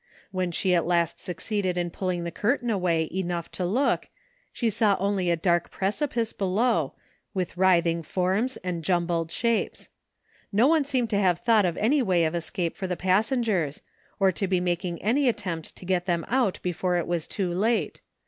When she at last succeeded in pulling the curtain away enough to look she saw only a dark precipice below, with writh 30 THE FINDING OP JASPER HOLT ing forms and jumbled shapes. No one seemed to have thought of any way of escape for the passengers, or to be making any attempt to get them out before it was too late.